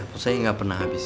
maksudnya gak pernah habis